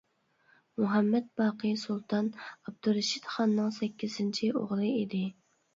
مۇھەممەت باقى سۇلتان ئابدۇرېشىت خاننىڭ سەككىزىنچى ئوغلى ئىدى.